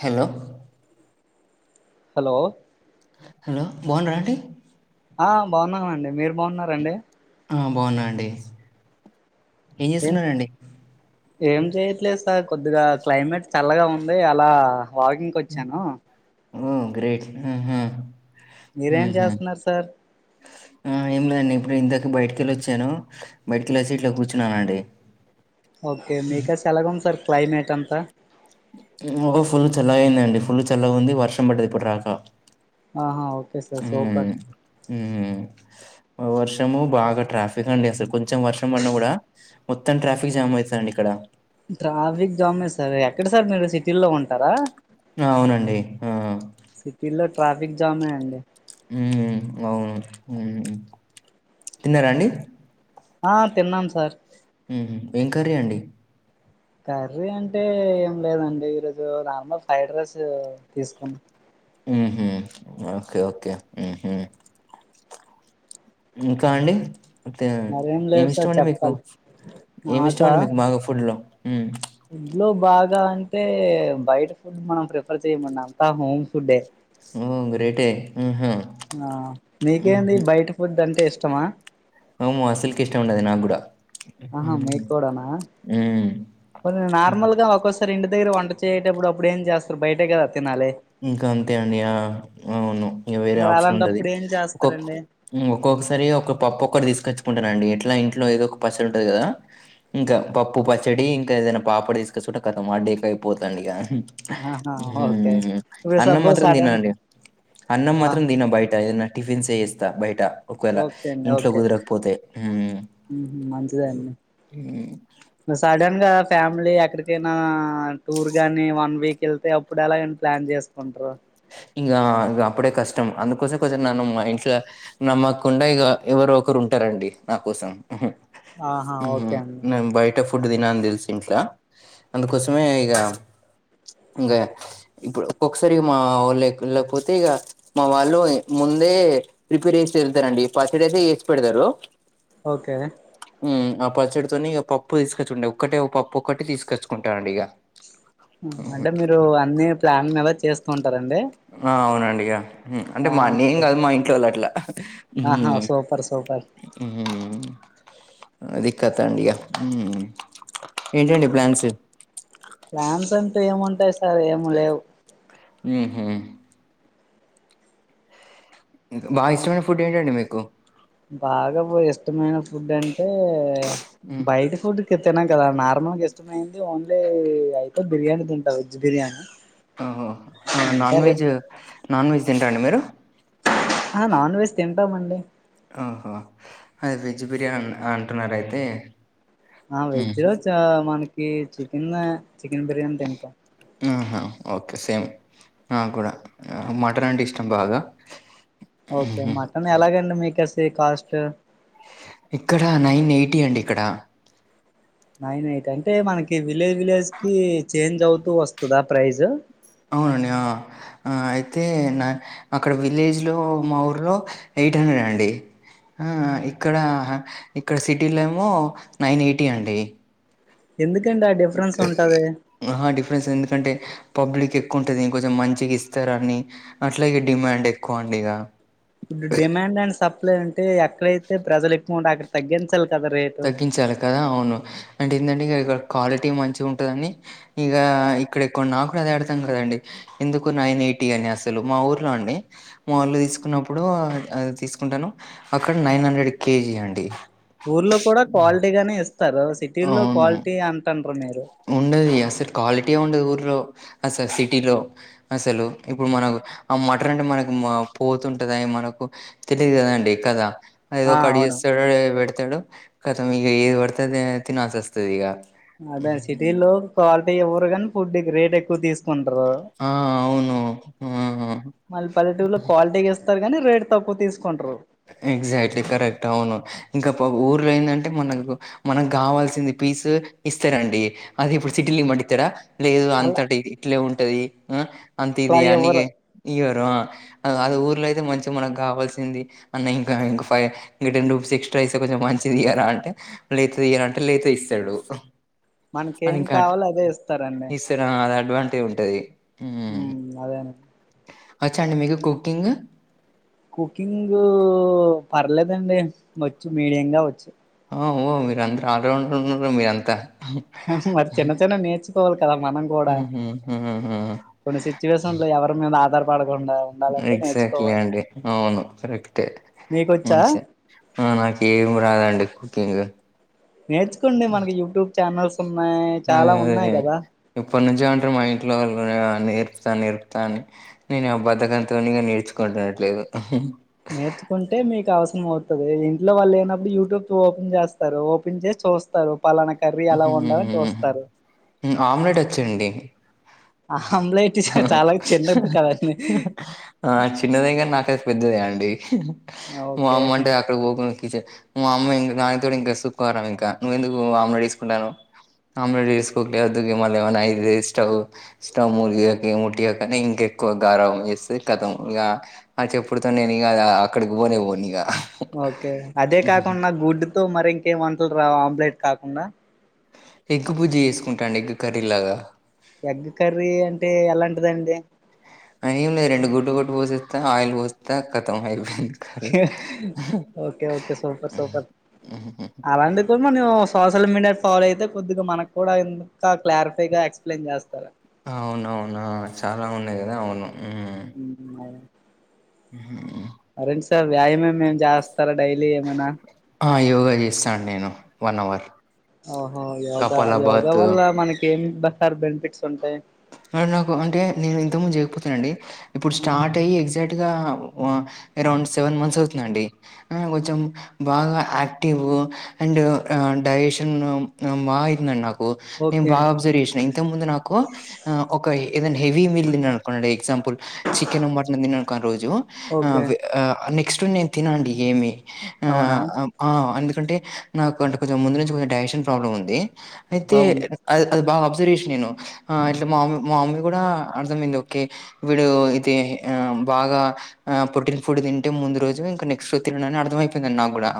హేలో hello hello బాగున్నరా అండి ఆ బాగున్నానండి, మీరు బాగున్నారండి. ఆ బాగున్నానండి, ఏం జేస్తున్నారండీ. ఏం చెయ్యట్లేదు సార్, కొద్దిగా క్లైమేట్ చల్లగా ఉంది అలా వాకింగ్ ఓ గ్రేట్ ఉహుమ్ మీరేం ఉహుమ్ చేస్తున్నారు సార్ ఆ ఏం లేదండి ఇప్పుడే ఇందాకే బయటికెళ్ళోచ్చాను బయటికెళ్లొచ్చి ఇట్లా కూర్చున్నానండి ఓకే, ఉమ్. మీకై చల్లగ ఉంది సార్, క్లైమేట్ అంతా ఓ ఫుల్ చల్లగా అయిందండి, ఫుల్ చల్లగా ఉంది వర్షం పడ్డది ఇప్పుడురాక. ఆహా ఓకే సార్ ఉమ్ సూపర్ ఉమ్ వర్షము బాగా ట్రాఫిక్ అండి అసలు, కొంచెం వర్షం పడిన గుడా మొత్తం ట్రాఫిక్ జామ్ అయితాదండి ఇక్కడ ట్రాఫిక్ జామ్న్ సరే, ఎక్కడ సార్ మీరు సిటీల్లో ఉంటారా. ఆ అవునండి ఆ సిటీలో ట్రాఫిక్ జామే అండి. ఉమ్ అవును ఉమ్, తిన్నారా అండి. ఆ తిన్నాను సార్ ఉహుమ్ ఏం కర్రీ అండి కర్రీ అంటే ఏం లేదండి ఈరోజు నార్మల్ ఫ్రైడ్ రైస్ తీస్కోన్. ఉహుమ్ ఓకే ఓకే ఉహుమ్ ఇంకా అండి తే మరేం ఏం లేదు సార్ ఇష్టమండి మీకు, చెప్పాలి ఏం నాకా ఇష్టమండి మీకు బాగా ఫుడ్ లో ఉమ్ ఫుడ్ లో బాగా అంటే, బయట ఫుడ్ మనం ప్రిఫర్ చేయమన్న అంత హోమ్ ఫుడ్డే. ఓహ్! గ్రేటే. హుహు. ఆ నీకేంది హుహు. బయట ఫుడ్ అంటే ఇష్టమా. అమ్మో అసల్కే ఇష్టం ఉండదు నాకు గుడా. ఆహా మీక్ గుడానా, కొంచం హ్మ్. నార్మల్ గా ఒక స్పూ సార్ ఇంటి దగ్గర వంట చేయేటప్పుడు అప్పుడు ఏం జేస్తారు బయటే గదా తినాలి. ఇంకా అంతే అండి ఆ అవును ఇగ వేరే మరి ఆప్షన్ ఉండది అలాంటప్పుడు ఏం కో చేస్తారండి ఉమ్ ఒక్కొక్కసారి ఒక పప్పు ఒక్కటి తీసుకొచ్చుకుంటనండి, ఎట్లా ఇంట్లో ఏదో ఒక పచ్చడి ఉంటది కదా. ఇంకా పప్పు, పచ్చడి ఇంకా ఏదైనా పాపడ్ తీసుకొచ్చంటే ఖతం, ఆడీక్ అయిపోతదండి ఇగా ఆహా ఓకే ఇప్పుడు అన్నం సపోజ్ మాత్రం సడన్ తినఅండి, అన్నం ఆ మాత్రం దిన బయట, ఏదన్నా టిఫిన్స్ ఏ చేస్తా బయట ఒకవేళ ఓకే అండి ఇంట్లో ఓకే కుదరకపోతే ఉమ్మ్ మ్మ్, మంచిదే అండి సడన్ గా ఫ్యామిలీ ఎక్కడికైనా టూర్ గాని, వన్ వీక్ వెళ్తే అప్పుడు ఎలాగా అండి ప్లాన్ చేస్ కుంట్రు ఇంగా ఇంగ అప్పుడే కష్టం, అందుకోసం కొంచం నన్ను మా ఇంట్లో నమ్మకుండా ఇగా ఎవరో ఒకరు ఉంటారండి నా కోసం. ఆహా ఓకే ఉమ్ అండి నాన్ బయట్ ఫుడ్ తిన అని తెలుసు ఇంట్లా, అందుకోసమే ఇగా ఇంకా ఇప్పుడు ఒక్కసారి మా వాళ్ళకి వెళ్ళకపోతే ఇక మా వాళ్ళు ముందే ప్రిపేర్ చేసి వెళ్తారండి పచ్చడైతే వేసి పెడతారు ఓకే ఆ పచ్చడితోనే ఇక పప్పు తీసుకొచ్చుకుంటేడి ఒక్కటే పప్పు ఒక్కటి తీసుకొచ్చుకుంటానండి ఇక ఉహు. అంటే మీరు అన్ని ప్లాన్ మీద చేస్తూ ఉంటారండి ఆ అవునండిగా అంటే ఆ మా అన్న ఏం కాదు మా ఇంట్లో వాల్ల అట్లాహ్మ్ ఆహా సూపర్ సూపర్ హ్మ్ ఏంటండి ప్లాన్స్ ప్లాన్స్ అంటూ ఏముంటాయి సార్ ఏమి లేవు ఊహూ బా ఇష్టమైన ఫుడ్ ఏంటండి మీకు బాగా ఇష్టమైన ఫుడ్ అంటే మ్మ్. బయట ఫుడ్ తినం కదా నార్మల్ ఇష్టమయింది ఓన్లీ అయితే బిర్యానీ తింటా వెజ్ బిర్యానీ ఓహో ఇంకా నాన్ వెజ్ నాన్ వెజ్ తింటారండి మీరు హా నాన్ వెజ్ తింటామండి ఓహో అది వెజ్ బిర్యానీ అంటున్నారయితే వెజ్జే చ మనకి చికెన్ చికెన్ బిర్యానీ తింటాం హ ఓకే సేమ్ నాకు కూడా మటన్ అంటే ఇష్టం బాగా ఓకే మ్మ్. మటన్ ఎలాగండి మీకేసీ కాస్ట్ ఇక్కడ నైన్ ఎయిటీ అండి ఇక్కడ నైన్ ఎయిట్ అంటే మనకి విలేజ్ విలేజ్ కి చేంజ్ అవుతూ వస్తుందా ప్రైజ్ అవునండి ఆ ఆ అయితే నా అక్కడ విలేజ్ లో మా ఊర్లో ఎయిట్ హండ్రెడ్ అండి ఆ ఇక్కడ ఇక్కడ సిటీలో ఏమో నైన్ ఎయిటీ అండి ఎందుకండి ఆ డిఫరెన్స్ ఉంటది ఆహా డిఫరెన్స్ ఎందుకంటే పబ్లిక్ ఎక్కువ ఉంటుంది ఇంకొంచెం మంచిగా ఇస్తారని అట్లాగే డిమాండ్ ఎక్కువ అండి ఇక ఇప్పుడు డిమాండ్ అండ్ సప్లై అంటే ఎక్కడైతే ప్రజలు ఎక్కువ ఉంటే అక్కడ తగ్గించాలి కదా రేటు తగ్గించాలి కదా అవును అంటే ఏంటంటే ఇం ఇక్క క్వాలిటీ మంచిగా ఉంటుందని ఇక ఇక్కడ ఎక్కువ నా కూడా అదే అర్థం కాదండి ఎందుకు నైన్ ఎయిటీ అని అసలు మా ఊర్లో అండి మా ఊళ్ళో తీసుకున్నప్పుడు అది తీసుకుంటాను అక్కడ నైన్ హండ్రెడ్ కేజీ అండి ఊర్లో కూడా క్వాలిటీ గానే ఇస్తారు సిటీల్లో క్వాలిటీ అంటండ్రు మీరు ఉండది అసలు క్వాలిటీ ఉండదు ఊర్లో అసలు సిటీలో అసలు ఇప్పుడు మనకు ఆ మటన్ అంటే మనకు పోతుంటంది మనకు తెలిదు కదండి కదా ఏదో ఆ అవును కడిగేస్తడు పెడతాడు కతం ఇగ ఏది పడితే అది తినాల్సి వస్తుంది ఇక అదే సిటీ లో క్వాలిటీ ఇవ్వరు కానీ ఫుడ్ కి రేట్ ఎక్కువ తీసు కుంటరు ఆ అవును ఆ మళ్ళీ పల్లెటూరులో క్వాలిటీ కి ఇస్తారు కాని రేట్ తక్కువ తీసుకుంట్రు ఎగ్జాక్ట్లీ కరెక్ట్ అవును ఇంకా ఊర్లో ఏందంటే మనకు మనకు కావాల్సింది పీస్ ఇస్తారండి అది ఇప్పుడు సిటీలో ఇమంటె ఇస్తారా లేదు అలా అంతటి ఇట్లే ఉంటది ఆ అంత అలా ఇది అని ఇవ్వరు అది ఊర్లో అయితే మంచిగా మనకు కావాల్సింది అన్న ఇంక ఇంకా ఫై ఇంకా టెన్ రూపీస్ ఎక్స్ట్రా ఇస్తా కొంచం మంచిది ఇయర అంటే లేతే తీయాలంటే లేతే ఇస్తడు అది మనకేం ఇంకా కావాలో అదే ఇస్తారండి ఇస్తర అది అడ్వాంటేజ్ ఉంటది ఉమ్ అదేనండి అచ్చ అండి మీకు కుకింగ్ కుకింగ్ పర్లేదండి వచ్చు మీడియం గా వచ్చు ఆ ఓ [unintelligible] మీర అందరు ఆల్రౌండర్ ఉన్నారు మీరంతా మరి చిన్న చిన్న నేర్చుకోవాలి కదా మనం కూడ హుహుహుహు కొన్ని సిచ్యువేషన్ లో ఎవరు మీద ఆధార్ పడకుండ ఎక్సాక్ట్లీ అండి అవును కరెక్టే మం మీకొచ్చా [unintelligible] ఆ నాకు ఏం రాదండి కుకింగ్ నేర్చుకోండి మనకి యూట్యూబ్ ఛానల్స్ ఉన్నాయ్ చాలా ఉన్నాయ్ కదా ఇప్పటి నుంచే అంటే మా ఇంట్లో వాళ్ళు నేర్పుతా నేర్పుతాని నేను ఆ బధకంతోనిగా నేర్చుకోవాట్లేదు నేర్చుకుంటే మీకు అవసరం అవుతది ఇంట్లో వాళ్ళు లేనప్పుడు యూట్యూబ్ ఓపెన్ చేస్తారు ఓపెన్ చేసి చూస్తారు పలాన కర్రీ ఎలా వండాల హుహుహుహు. చూస్తారు హ్మ్. ఆమ్లెట్ వచ్చండి ఆమ్లెట్ చాల చిన్నది కదండీ ఆ చిన్నదే కానీ నాకైతే పెద్దదే అండి మా అమ్మ ఓకే అంటే అమ్మ [unintelligible] ఇంకా సూకు ఇంకా నువ్ ఎందుకు అ ఆమ్లెట్ వేసుకుంటున్నావు అ వద్దు లే మల్ల ఏమైనా అయితది స్టవ్ స్టవ్ ముట్టియకు ఏముటియాకనే ఇంకెక్కువ గారాబం చేస్తాడు కథం ఇగ ఆ చెప్పుడుతో నేను ఇగ అక్కడికి పోనే పోను ఇగ ఓకే అదే కాకుండ గుడ్డుతో మరి ఇంకేం వంటలు రావ ఆమ్లెట్ కాకుండా ఎగ్గు బుర్జి చేసుకుంటాండి ఎగ్ కర్రీలాగ ఎగ్ కర్రీ అంటే ఎలాంటిదండి ఏం లేదు రెండు గుడ్టు కొట్టి పోసేస్తా ఆయిల్ పోస్తా కతం అయిపోయింది curry okay okay super super అలాంటి మనం సోషల్ మీడియా ఫాలో అయితే కొద్దిగ మనకు కూడా ఇంక క్లారిఫైగా ఎక్స్ప్లెయిన్ చేస్తారు అవున అవునా చాల ఉన్నాయి కదా అవును [unintelligible] హు [unintelligible] సార్ వ్యాయామే మేం చేస్తారా డైలీ ఏమైన యోగా చేస్తాను అండి నేను వన్ అవర్ ఓహో యోగ యోగ కపాలభాత్ వల్ల మనకి ఏం సార్ బెనిఫిట్స్ ఉంటాయి మరి నాకు అంటే నేను ఇంతకు ముందు జరిగిపోతున్నాన అండి ఇప్పుడు స్టార్ట్ అయి ఎగ్జాక్ట్గా అరౌండ్ సెవెన్ మంత్స్ అవుతుందండి కొంచెం బాగ యాక్టివ్ అండ్ డైేజేషన్ [unintelligible] నేను ఓకే బాగ అబ్జర్వ్ చేసినా ఇంతకు ముందు నాకు ఆ ఒక ఏదన్న హెవీ మీల్ తన్నానుకోండి ఎగ్జాంపుల్ చికెన్ మటన్ తన్నానుకో రోజు ఓకే ఆ నెక్స్ట్ నేను తినండి ఏమి అవునా ఆ ఎందుకంటే నాకు అంటే కొంచెం ముందు నుంచి కొంచెం డైజెషన్ ప్రాబ్లమ్ ఉంది అయితే అవును అది అది బాగ అబ్జర్వ్ చేసింది నేను అట్ మామ్మీ మా మమ్మీ కూడ అర్థమైంది ఓకే వీడు ఇది ఆ బాగ ఆ ప్రొటీన్ ఫుడ్ తింటే ముందు రోజు ఇంకా నెక్స్ట్జ తినడని అర్థమయిందడి నాకు కూడా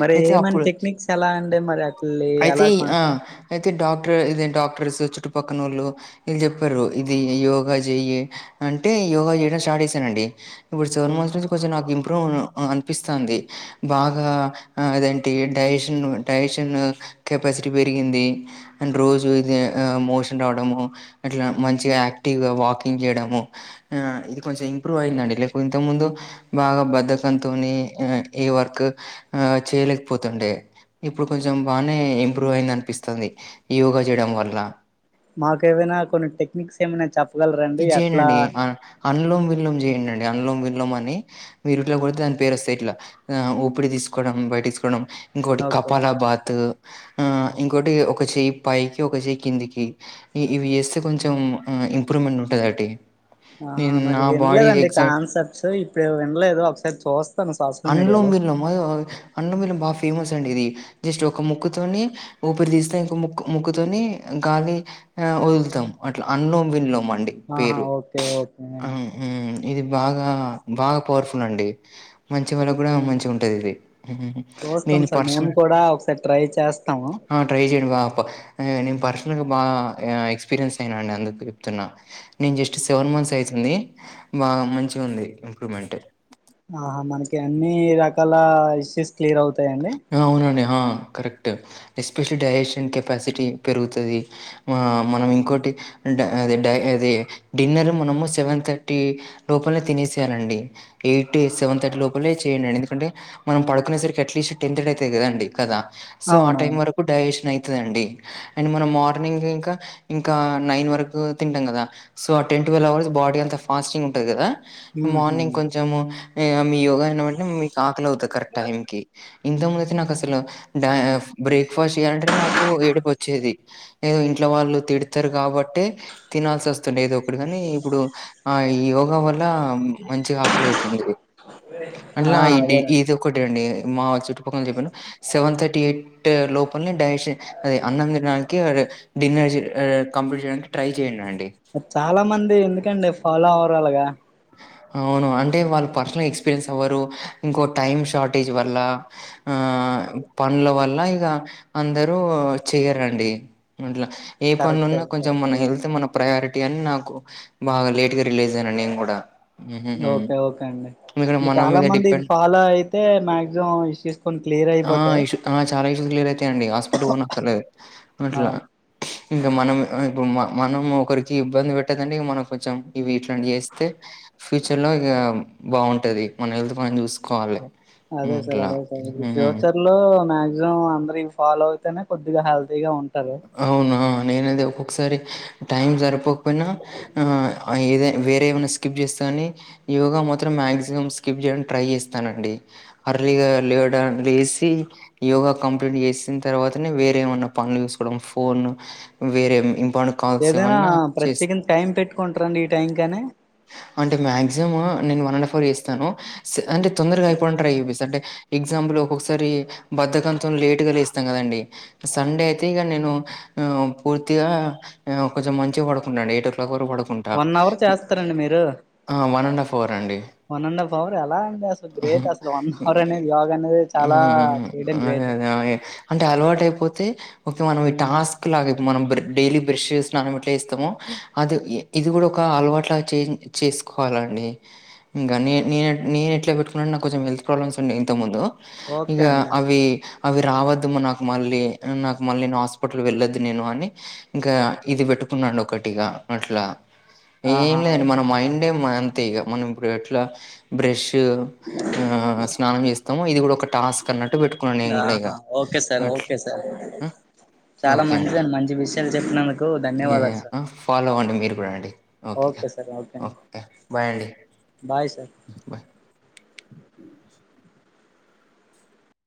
మరి అయితే ఏమనా అప్పుడు టెక్నిక్స్ ఎలా అండి మరి అట్ అయితే ఎలా ఈ- ఆ! అయితే డాక్టర్ ఇద డాక్టర్స్ చుట్టుపక్కనోళ్ళు వీళ్ళు చెప్పరు ఇది యోగా చెయ్య అంటే యోగా చేయడం స్టార్ట్ చేసనండి ఇప్పుడు సెవెన్ మంత్స్ నుంచి కొంచెం నాకు ఇంప్రూవ్ అనిపిస్తుంది బాగా అదంటి డజషన్ డైజషన్ కెపాసిటీ పెరిగింది అండ్రోజు ఇది మోషన్ రావడము అట్ల మంచిగా యాక్టివ్గా వాకింగ్ చేయడము ఆ ఇది కొంచెం ఇంప్రూవ్ అయందండి ఇక కొంత ముందు బాగా బధకంతోని ఆ ఈ వర్క్ ఆ చేయలేకపోతుండే ఇప్పుడు కొంచెం బానే ఇంప్రూవ్ అయింది అనిపిస్తుంది యోగా చేయడం వల్ల మాకు ఏమైనా కొన్ని టెక్నిక్స్ ఏమైనా చెప్పగలరాండి అట్ల అన్లోం విల్లం చేయండిండి అన్లోం విల్లం అని మీరు ఇట్లా కొతే దాని పేరు వస్తయి ఇట్లా ఉపిరీ తీసుకోవడం బయట తీసుకోవడం ఇంకోటి ఓకే కపాలా బాత్ ఆ ఇంకోటి ఒక చెయి పైకి ఒక చెయి కిందికి ఇవి చేస్తే కొంచెం ఇంప్రూవ్మెంట్ ఉంటదటి ఆ నేను మరి నా బాడీ వినలేదండి ఎగ్జా కాన్సెప్ట్స్ ఇప్పుడు వినలేదు ఒకసారి చూస్తను సోషల్ మీడియాలో మా అన్న బిల్లం బాగా ఫేమస్ అండి ఇది జస్ట్ ఒక ముక్కుతోని ఊపిరి తీస్తే ఇంకా ముక్ ముక్కుతోని గాలి ఆ వదులుతాం అట్లా అన్లోం విన్లోం మండి ఆహా పేరు ఓకే ఓకే అండి ఇది బాగా బాగా పవర్ఫుల్ అండి మంచి వాళ్ళకు కూడా మంచి ఉంటదిది చూస్తాం సార్ మేము కూడా ఒకసారి ట్రై చేస్తము ఆ! ట్రై చేయండి బా ప నేను పర్సనల్గా బాగా ఎక్స్పీరియన్స్ అయిన అండి అందుకు ప్తున్నా నేను జస్ట్ సెవెన్ మంత్స్ అయితుంది బాగా మంచిగా ఉంది ఇంప్రూవ్మెంట్ ఆహా మనకి అన్ని రకాల ఇష్యూస్ క్లియర్ అవుతయండి అవునండి ఆ కరెక్ట్ ఎస్పెషల్లీ డైజెషన్ కెపాసిటీ పెరుగుతుంది ఆ మనం ఇంకోటి డా అదే డిన్నర్ మనము సెవెన్ థర్టీ లోపంలో తినేసేయలండీ ఎయిటి సెవెన్ థర్టీ లోపలే చేయండి ఎందుకంటే మనం పడుకునే సరికి అట్లీస్ట్ టెన్త్డ్ అయితయి కదండి కదా సో ఆ టైం అవునవును వరకు డైజెషన్ అవుతదిండి అండ్ మనం మార్నింగ్ ఇంకా ఇంకా నైన్ వరకు తింటాం కదా సో ఆ టెన్ట్వల్వ అవర్స్ బాడీ అంత ఫాస్టింగ్ ఉంటుంది కదా మ్మ్హ్మ్. మార్నింగ్ కొంచెము ఇగ మీ యోగా అయినంటే మీకు ఆకలి అవుతాంది కరెక్ట్ టైం కి ఇంత ముందు అయితే నాకు అసలు డా బ్రేక్ఫాస్ట్ చేయలంటే నాకు ఏడుపు వచ్చేది ఏదో ఇంట్లో వాళ్ళు తిడతరు కాబట్టి తినాల్సి వస్తుంది ఏదో ఒకటి కాని ఇప్పుడు ఆ యోగా వల్ల మంచిగా ఆకలవుతుంది అందరికి ఆ అట్లా ఇ అదేనండి ఇది ఒకటి అండి మా చు చెప్పాను సెవెన్ థర్టీ ట్ లోపల డైన్ అది అన్న కి ఆడ డిన్నర్ కంప్ట్ చేయడానికి ట్రై చేయండి అండి చాలా మంది ఎందుకండి ఫాలో అవరల్గా అవును అంటే వాళ్ళు పర్సనల్ ఎక్స్పీరియన్స్ అవ్వరు ఇంకో టైమ్ షార్టేజ్ వల్ల ఆ పనుల వల్ల ఇక అందరూ చేయరండి అట్ల ఏ కరెక్టే పనులున్న కొంచెం మన కరెక్టే హెల్త్ మన ప్రయారిటీ అని నాకు బాగా లేట్గా రిలీజ్ అయ్యాను నేను కూడా ఓకే ఓకే అండి ఇక్కడ అంటే మన చాలా మీద మంది ఇది డిపెండ్ ఫాలో అయితే మాక్సిమం ఇష్యూస్ కొన్ని క్లియర్ ఆ అయిపోతాయి ఇష్యూ ఆ చాలా ఇష్యూ క్లియర్ అయితాయిండి హాస్పిటల్ ఓన్ అక్కర్లేదు అట్లా అవును ఇంకా మనం ఇప్పుడు మనం ఒకరికి ఇబ్బంది పెట్టదంటె ఇ మనం కొంచెం ఇవి ఇట్లాంటి చేస్తే ఫ్యూచర్ లో ఇక బాగుంటది మన హెల్త్ మనం చూసుకోవాలి అదే హ్మ్. సార్ ఇట్లా అదే సార్ ఇ ఫ్యూచర్ లో మాక్సిమం అందరి ఫాలో అయితేనే కొద్దిగా హెల్తీ గా ఉంటారు అవునా నేనది ఒక్కొక్కసారి టైం సరిపోకపోయినా ఆ ఏద వేరే ఏమైనా స్కిప్ చేస్తే కాని యోగా మాత్రం మాక్సిమం స్కిప్ చేయనికి ట్రై చేస్తానండి అర్లీగా లేవడా లేసి యోగా కంప్లీట్ చేసిన తర్వాతనే వేరేమన్నా పనులు చూస్ కోడం ఫోన్ వేరే ఇంపా ఏదైనా ఆ ప్రత్యేకి టైం పెట్టుకుంటారండి ఈ టైం కని అంటే మాక్సిమమ్ నేను వన్ అండ్ ఫోర్ చేస్తాను అంటే తొందరగా అయిపోవడం ట్రై చెేసి అంటే ఎగ్జాంపుల్ ఒక్కొక్కసారి బద్దకంత లేటుగా లేస్తాం కదండి సండే అయితే ఇక నేను ఆ పూర్తిగా కొంచెం మంచిగా పడుకుంటాండి ఎయిట్ ఓ క్లాక్ వరకు పడుకుంటా స్తారండి మీరు ఆ వన్ అండ్ హాఫ్ అవర్ అండి వన్ అండ్ హాఫ్ అవర్ ఎలా అంటే అసలు గ్రేట్ హ్మ్ అసలు వన్ అవర్ అనేది యోగా అనేది చాలా చేయడం అదే గ్రేట్ అదే అదే అంటే అలవాటు అయిపోతే ఓకే మనం ఈ టాస్క్ లాగా మనం డైలీ బ్రష్ స్నానం ఎట్లా ఇస్తమో అది ఇది కూడా ఒక అలవాట్లలాగా చేస్ చేసుకోవాలండి ఇంకా నే నేను నేను ఎట్లా పెట్టుకుంటే నాకు కొంచెం హెల్త్ ప్రాబ్లమ్స్ ఉండే ఇంతకుముందు ఓకే ఇగా అండి అవి అవి రావద్దమ్ నాకు మళ్ళీ నాకు మళ్ళీ నేను హాస్పిటల్ వెళ్ళొద్దు నేను అని ఇంకా ఇది పెట్టుకున్ననండి ఒకటిగా అట్లా ఏం ఆహా లేదండి మన ఓకే మైండే మంతె మనం ఇప్పు ఎట్లా బ్రష్ స్నానం చే మొ ఇది కూడా ఒక టాస్క్ అన్నట్టు పెట్టుకున్నాను నేను కూడా ఇగ ఆహా ఓకే సార్ అట్లా ఓకే సార్ అ చాలా ఓకే అండి మంచిదండి మంచి విషయాలు చెప్పినందుకు ఈ ధన్యవాదాలు సార్ అ ఫాలో అవ్వండి మీరు కూడా అండి ఓకే సార్ అది ఓకే బయ్ అండి సార్ ఉ బయ్